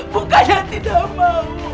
bukannya tidak mau